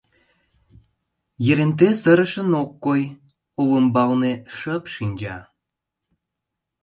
Еренте сырышын ок кой, олымбалне шып шинча.